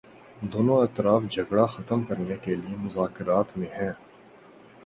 دونوں اطراف جھگڑا ختم کرنے کے لیے مذاکرات میں ہیں